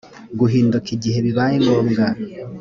guhinduka igihe bibaye ngombwa